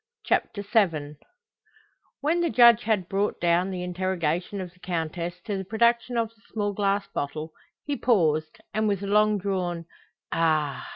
CHAPTER VII When the Judge had brought down the interrogation of the Countess to the production of the small glass bottle, he paused, and with a long drawn "Ah!"